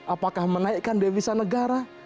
apakah menaikkan devisa negara